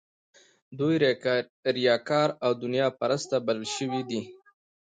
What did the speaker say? دوی ریاکار او دنیا پرسته بلل شوي دي.